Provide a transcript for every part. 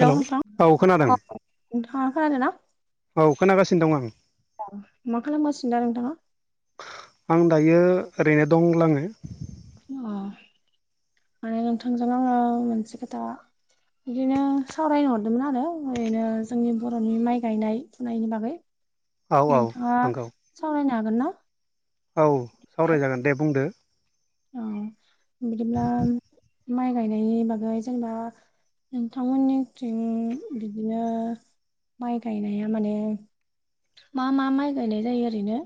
Hello औ खोनादों खादोंना औ खोनागासिनो दं आं। औ मा खालामगा सिनदा नोंथाङा। आं दायो ओरैनो दंलाङो अ माने नोंथांजों आङो मोनसे खोथा। बिदिनो सावरायनो हरदोंमोन आरो ओरैनो जोंनि बर'नि माइ गायनाय फुनायनि बागै औ औ नोंथाङा नंगौ सावरायनो हागोन ना? औ सावरायजागोन दे बुंदो। औ बिदिब्ला माइ गायनायनि बागै जोंबना नोंथांमोननिथिं बिदिनो माइ गायनाया माने मा मा माइ गायनाय जायो ओरैनो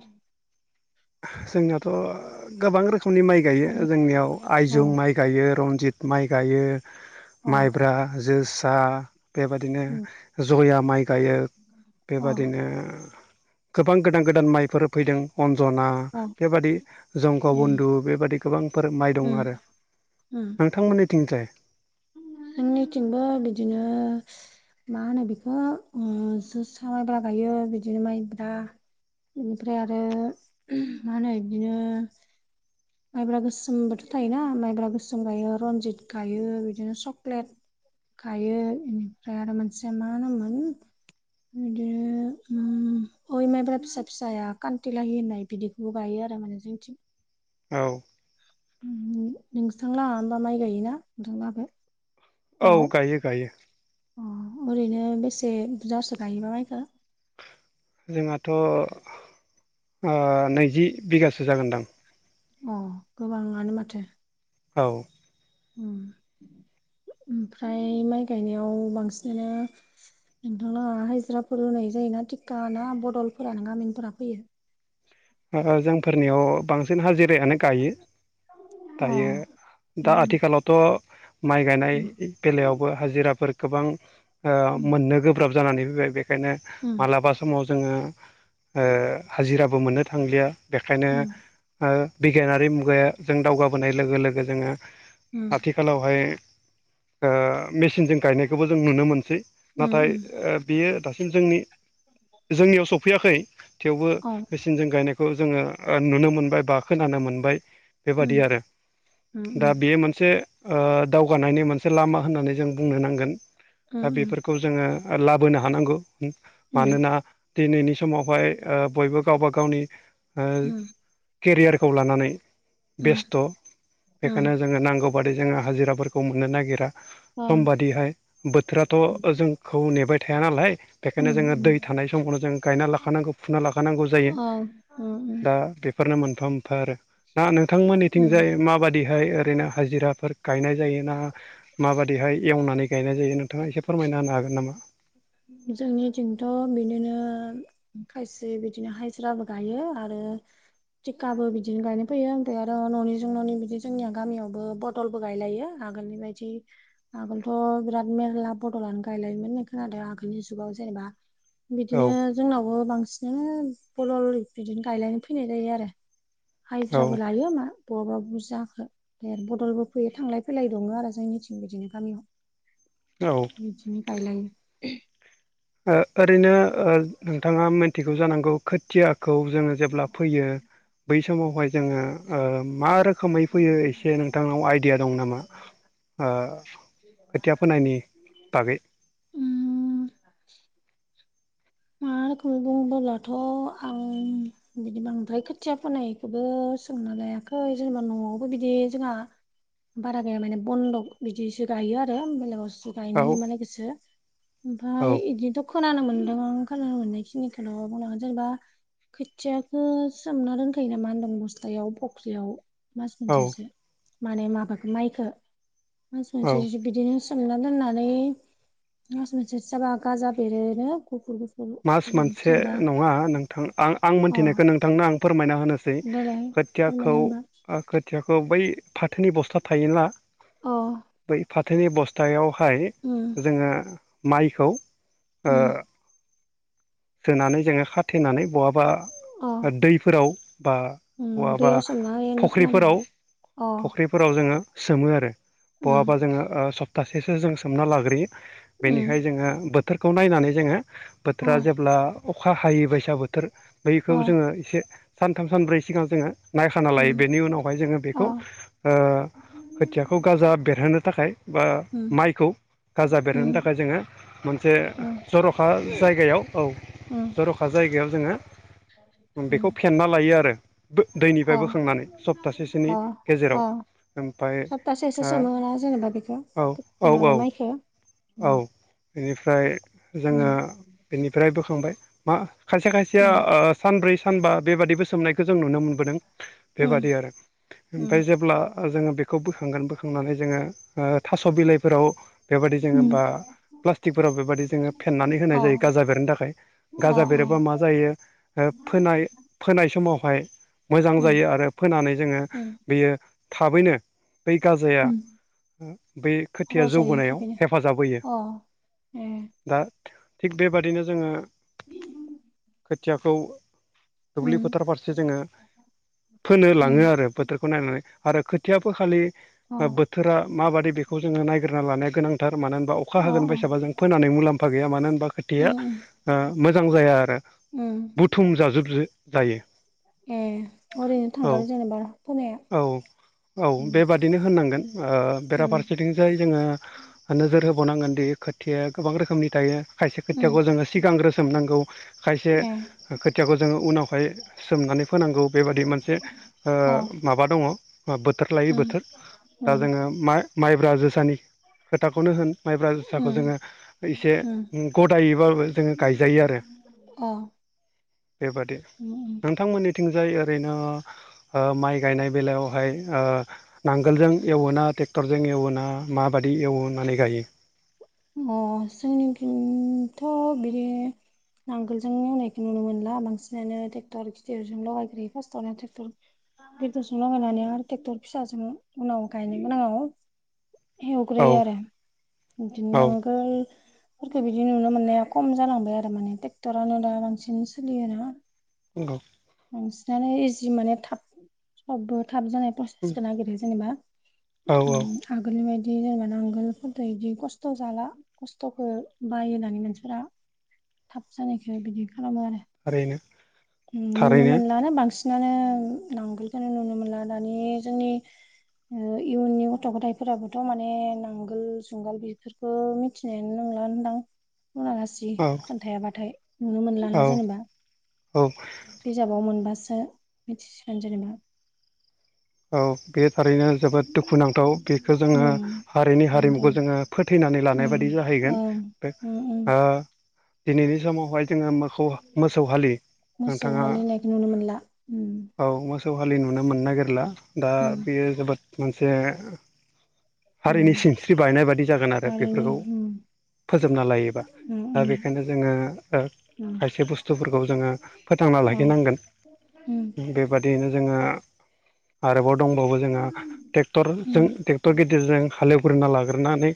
जोंनाथ' गोबां रोखोमनि माइ गायो गामि जोंनियाव अ आइजं माइ ग ाइ गायो रनजित माइ गायो अ माइब्रा जोसा बेबादिनो उम जया माइ गायो अ बेबादिनो गोबां गोदान गोदान माइफोर फैदों अनजना अ बेबादि जंक ए बन्दु बेबादि गोबांफोर माइ दं उम आरो। उम नोंथांमोननिथिंजाय जोंनिथिंबो बिदिनो मा होनो बेखौ जोसा मायब्रा गायो बिदिनो माइब्रा बेनिफ्राय आरो मा होनो बिदिनो माइब्रा गोसोमबोथ' थायोना माइब्रा गोसोम गायो रनजित गायो बिदिनो सक्लेट गायो बेनिफ्राय आरो मोनसे मा होनोमोन बिदिनो उ अय माइब्रा फिसा फिसाया खान्थिलाहि होननाय बिदि गायो आरो माने जों थिग औ नोंथां ला होनबा माइ गायोना नोंथाङाबो औ गायो गायो अ ओरैनो बेसे बुरजासो गायोबा माइखौ जोंहाथ' नैजि बिगासो जागोनदां अ गोबाङानो माथो औ उम ओमफ्राय माइ गायनायाव बांसिनानो नोंथांना हाजिराफोर होनाय जायोना थिका ना बदलफोरानो गामिनफोरा फैयो ओ जोंफोरनियाव बांसिन हाजिरायानो गायो अ दायो दा उम आथिखालावथ' माइ गायनाय उम बेलायावबो हाजिराफोर गोबां ओ उम मोननो गोब्राब जानानै फैबाय बेखायनो उम मालाबा समाव जोङो ओ हाजिराबो मोननो थांलिया बेखायनो उम ओ बिगियानारि मुगाया जों दावगाबोनाय लोगो लोगो जोङो उम आथिखालावहाय मेचिनजों गायनायखौबो जों नुनो मोनसै उम नाथाय उम बियो दासिम जोंनि जोंनियाव सफैयाखै थेवबो अ सिन जों गायनायखौ जोङो नुनो मोनबाय बा खोनानो मोनबाय उम बेबादि आरो उम दा उम बेयो मोनसे दावगानायनि मोनसे लामा होननानै जों बुंनो नांगोन उम दा उम बेफोरखौ जोङो लाबोनो हानांगौ उम मानोना दिनैनि समावहाय बयबो गावबा गावनि ओ उम केरियारखौ लानानै उम बेस्थ' उम बेखायनो जोङो नांगौ बादि जोङो हाजिराफोरखौ मोननो नागिरा अ उम समबादिहाय बोथोराथ' जोंखौ नेबाय थाया नालाय बेखायनो जोङो उम दै थानाय समखौनो जों गायना लाखानांगौ फुना लाखानांगौ जायो औ उम उम दा बेफोरनो मोनफा मोनफा आरो दा उम नोंथांमोननिथिंजाय माबादिहाय ओरैनो हाजिराफोर गायनाय जायो ना माबादिहाय एवनानै गायनाय जायो नोंथाङा एसे फोरमायना होनो हागोन नामा? जोंनिथिंथ' बिदिनो खायसे बिदिनो हाजिराबो गायो आरो टिखाबो बिदिनो गायनो फैयो ओमफ्राय आरो न'निजों न'नि बिदि जोंनिया गामियावबो बदलबो गायलायो आगोलनि बायदि आगोलथ' बिराद मेरला बदलानो गायलायोमोन होननाय खोनादो आगोल- बिनि जुगाव जेनेबा औ बिदिनो जोंनावबो बांसिनानो बदल बिदिनो गायलायनो फैनाय जायो आरो औ हाइज्राबो लायो मा बहाबा बुजाखो बदलबो फैयो थांलाय फैलाय दङ आरो जोंनिथिं बिदिनो गामियाव [inaudible] औ बिदि गायलायो। ओ ओरैनो ओ नोंथाङा मिनथिगौ जानांगौ खोथियाखौ जोङो जेब्ला फोयो बै समावहाय जोङो मा रो- खोमै फैयो एसे नोंथांनाव आइदिया दं नामा ओ खोथिया फोनायनि बागै [inaudible] गायलायो मा रोखोमै बुङोबोलाथ' आं बिदि बांद्राय खोथिया फोननायखौबो सोंना लायाखै जेनेबा न'आवबो बिदि जोंहा बारा गैया माने बन्दक बिदिसो गायो आरो बेलगाव- गायनो औ होयो मालायखोसो औ ओमफाय इदिथ' खोनानो मोनदों आं खोनानो मोननाय खिनिखौनो बुंनांगोन जेनेबा खोथियाखो सोमना दोनखायो नामा होनदों बस्थायाव फख्रियाव मास औ मोनसेसो माने माबखो माइखो माइखो मास औ मोनसे बिदिनो सोमना दोननानै मास मोनसे जाबा गाजा बेरोनो गुफुर गुफुर मास गुफुर मोनसे जेनेबा नङा नोंथां आं आं अ मोनथिनायखौ नोंथांनो आं फोरमायना होनोसै देलाय खोथियाखौ फोरमायनाय होमबा ओ खोथियाखौ बै फाथोनि बस्था थायोना अ बै फाथोनि बस्थायाव फाय उम जोङो माइखौ ओ उम सोनानै जोङो खाथेनानै बहाबा अ दैफोराव बा उम बहाबा दैयाव सोमना होयो होनना खोनादों फख्रिफोराव अ फख फोराव जोङो सोमो आरो बहाबा उम जोङो सप्तासेसो जों सोमना लाग्रोयो उम बेनिखाय जोङो बोथोरखौ नायनानै जोङो अ बोथोरा जे अब्ला अखा हायै बैसा बोथोर बैखौ अ जोङो एसे सानथाम सानब्रै सिगां जोङो नायखाना लायो उम बेनि उनावहाय जोङो अ बेखौ खोथियाखौ गाजा बेरहोनो थाखाय बा उम माइखौ गाजा बेरहोनो उम थाखाय जोङो मोनसे उम जर'खा जायगायाव औ जर'खा जायगायाव जोङो बेखौ फेन्ना लायो आरो दैनिफ्राय ओम बोखांनानै सप्तासेसोनि गेजेराव अ-अ-अ ओमफ्राय सप्तासेसो सोमोना जेनेबा बेखौ ओ औ माबा औ माइखो औ बेनिफ्राय उम जोङो बेनिफ्राय बोखांबाय मा खायसे खायसेया उम ओ सानब्रै सानबा बेबादिबो सोमनायखो जों नुनो मोनबोदों उम बेबादि आरो उम ओमफाय जेब्ला जोङो बे- खौ बोखांगोन बोखांनानै जोङो थास' बिलाइफोराव बेबायदि जोङो उम बा प्लास्टिकफोराव बेबायदि जोङो फेनानै अ होनाय जायो गाजा बेरनो थाखाय गाजा अ बेरोबा मा जायो फोनाय फोनाय समावहाय मोजां उम जायो आरो फोनानै जोङो उम बियो थाबैनो बै गाजाया उम बे खोथिया रज'यो जौबोनायाव थाबैनो हेफाजाब होयो अ ए दा थिग बेबादिनो जोङो [inaudible] खोथियाखौ दुब्लि फोथार फारसे जोङो फोनो उम लाङो आरो फोथारखौ नायनानै आरो खोथिया फोखालि अ बोथोरा माबादि बेखौ जोङो नायग्रोना लानाया गोनांथार मानो होनबा अखा होगोन अ बायसाबा जों फोनानै मुलाम्फा गैया मानो होनबा उम खोथाया उम मोजां जाया आरो उम बुथुम जाजोब जायो ए ओरैनो औ थांगारो जेनेबा फोनाया ओ बिदिनो होननांगोन बेराफारसेथिंजाय जोङो नोजोर होबावनांगोन दि खोथिया गोबां रोखोमनि थायो खायसे उम खोथियाखौ जोङो सिगांग्रो सोमनांगौ खायसे ए खोथियाखौ जोङो उनावहाय सोमनानै फोनांगौ बेबादि मोनसे अ माबा दङ बोथोर लायै उम बोथोर दा उम जोङो मा माइब्रा जोसानि खोथाखौनो होन माइब्रा उम जोसाखौ जोङो एसे उम गदायैबाबो जोङो गायजायो आरो अ बेबादि उम नोंथांमोननिथिंजाय ओरैनो माइ गायनाय बेलायावहाय नांगोलजों एवोना ट्रेक्टरजों एवोना माबायदि एवनानै गायो। अ जोंनिफ्रायथ' बिदि नांगोलजों एवनायखौ नुनो मोनला बांसिनानो ट्रेक्टर गिदिरजों लगायग्रोयो फार्स्टआवनो ट्रेक्टर बेदरजों लागायनानै आरो ट्रेक्टर फिसाजों उनाव गायनोबोोन आाङाव औ एवग्रोयो आरो बिदिनो औ नांगोल फोरख बिदि नुनो मोननाया खम जालांबाय आरो माने ट्रेक्टरानो दा बांसिन सोलियोना औ। बांसिनानो इजि माने थाब सबबो थाब जानाय प्रसेसखौ नागिरो जेनेबा औ औ आगोलनि बायदि जेनेबा आांगोलफोरजों बिदि खस्थ' जाला खस्थ'खौ बाय होननानै नानसोरा थाब जानायखौ बिदि खालामो आरो आरोैनो नुनो मोनलानो बांसिनानो नांगोलखौनो नुनो मोनला दानि जोंनि इयुननि गथ' गथायफोराबोथ' माने नांगोल जुंगाल बेफोर बेखौ मिथिनाय नंला होनदां बुंङालिसिग औ बिदि खोन्थायाबाथाय नुनो औ मोनलाना जेनेबा। औ। बिजाबाव मोनबासो मिथिसिगोन जेनेबा। औ बे थारैनो जोबोद दुखुुनांथाव बेखौ उम जोङो हारिनि हारिमुखौ ओंखायनोथ' जोङो। फोथैनानै लानाय उम बायदि जाहैगोन ओं उम उम दिनैनि बे समावहाय जोङो मो मोसौ हालि मोसौ नोंथाङा हालिनायखौ नुनो मोनला उम औ मोसौ हलि नुनो मोननो नागिरला दा उम बेयो जोबोद मोनसे उम हारिनि सिनस्रि बायनाय बायदि जागोन आरो हारिनि बेफोरखौ फोजोबना लायोबा दा बेखायनो जोङो। खायसे बुस्थुफोरखौ जोङो फोथांना औ लाखिनांगोन। उम बेबादियैनो जोङो आरोबाव दंबावो जोङो उम ट्रेक्टरजों ट्रेक्टर गिद हालेवग्रोना लाग्रोनानै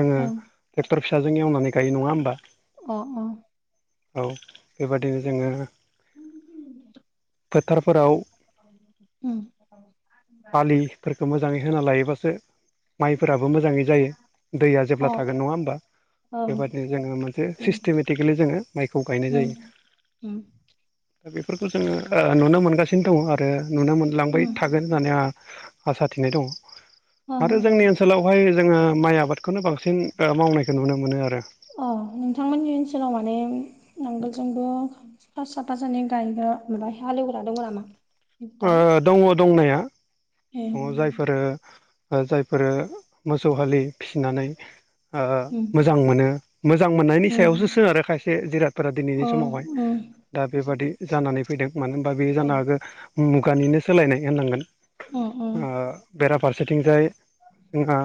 जोङो ओं ट्रेक्टर फिसाजों एवनानै गायो नङा होमबा? अ अ। औ बेबादिनो जोङो उ [inaudible] फोथारफोराव उम। फालिफोरखौ मोजाङै होना लायोबासो माइफोराबो मोजाङै जायो दैया अ जेब्ला थागोन नङा होमबा? ओं बेबादिनो जोङो मोनसे उम सिस्टेमेटिकेलि जोङो माइखौ गायनाय उम जायो। [inaudible] दा बेफोरखौ जोङो नुनो मोनगासिनो दङ आरो नुनो मोनलांबाय उम थागोन होननानै आंहा आसा थिनाय दङ। ओं आरो ओं जोंनि ओनसोलावहाय जोङो माइ आबादखौनो बांसिन मावनायखौ नुनो मोनो आरो। अ नोंथांमोननि ओनसोलाव माने नांगोलजोंबो सा सापाजानि गायग्रा माबा हालेवग्रा दङ नामा? दा दङ दंनाया। ए दङ जायफोरो जायफोरो मोसौ हालि फिसिनानै उम मोजां मोनो। मोजां मोननायनि उम सायावसो सोनारो खायसे जिरादफोरा अ दिनैनि समावहाय उम दा बेबादि जानानै फैदों मानो होनबा बे अ जानो हागौ मुगानिनो सोलायनाय होननांगोन। अ बेराफारसेथिंजाय जोंहा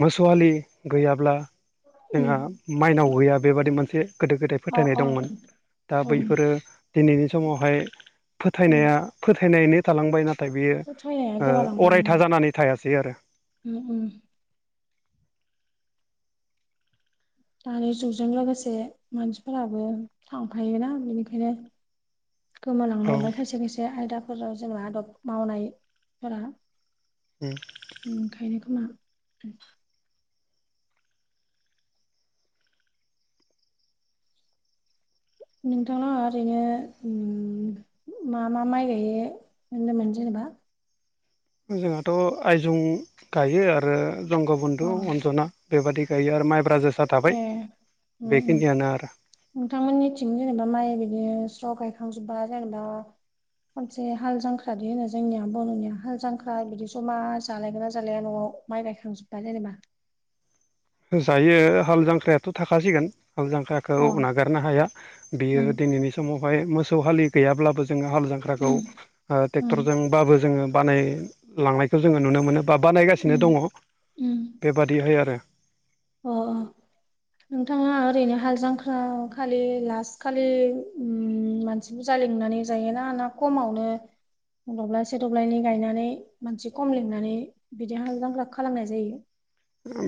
मोसौआलि गैयाब्ला उम जोंहा माइनाव गैया बेबादि मोनसे गोदो गोदाय अ फोथायनाय अ दंमोन। दा उम बैफोरो दिनैनि समावहाय उम फोथायनाया फोथायनो थालांबाय ना थाय बियो फोथायनाया गोमालांबाय अरायथा उम जानानै थायासै आरो। उम दानि जुगजों लोगोसे मानसिफोराबो थांफायोना बेनिखायनो। गोमालांनो औ हमबाय खायसे खायसे आयदाफोराव जोङो आदब मावनायफोरा [inaudible] ओंखायनो खोमा। नोंथांनावहा ओरैनो मा मा माइ गायो। मोननो मोनजेनेबा जोंहाथ' आयजं गायो आरो जंग अ बन्धु अनजना बेबादि गायो आरो माइब्रा जोसा थाबाय ए उम उम बेखिनियानो आरो नोंथांमोननिथिं जेनेबा माइ बिदिनो स्र' गायखांजोबबा जेनेबा। मोनसे हाल जांख्रादि होनो जोंनिया बर'निया हाल जांख्रा बिदि ज'मा जालायगोन ना जालाया न'आव माइ गायखांजोब्बाया जेनेबा। जायो हाल जांख्रायाथ' थाखासिगोन हाल जांख्राया अ खौ उम नागारनो हाया बियो दिनैनि समावहाय मोसौ हालि गैयाब्लाबो जोङो हाल जांख्राखौ उम उम ट्रेक्टरजों। बाबो जोङो बानायलांनायखौ जोङो नुनो मोनो बा बानायगासिनो उम दङ। उम बेबादिहाय आरो अ अ नोंथाङा ओरैनो हाल जांखा खालि लास्ट खालि मानसि बुरजा लिंनानै जाय ना ना खमावनो दब्लाायसे दब्लायनै गायनानै मानसि खम लिंनानै बिदि हांलजांख्राखो खालामनाय जायो।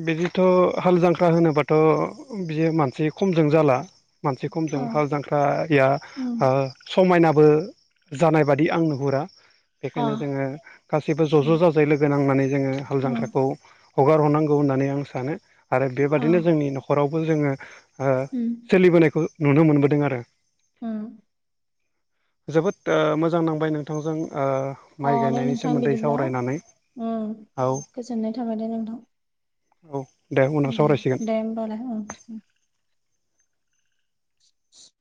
बिदिथ' हाल जांख्रा होनोबाथ' बियो मानसि खमजों जाला मानसि खमजों अ हाल जांख्रा आरिया उम ओ समायनाबो जानाय बादि आं नुहुरा अ बेखायनो जोङो गासैबो ज' ज' उम जाजाय लोगो नांनानै जोङो हाल उम जांख्राखौ हगार हरनांगौ। हौ होननानै आं सानो आरो अ बेबादिनो जोंनि न'खरावबो जोङो उम सोलिबोनायखौ। नुनो मोनबोदों आरो ह जोबोद मोजां नांबाय नोंथांजों। अ माइ दे गायनायनि नोंथां सोमोन्दै बिदिब्ला सावरायनानै औ गोजोननाय थाबाय दे नोंथां। औ दे उनाव दे सावरायसिगोन दे होमबालाय [inaudible]